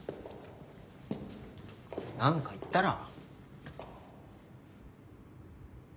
なんか言ったら？